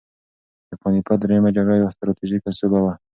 د پاني پت درېیمه جګړه یوه ستراتیژیکه سوبه وه.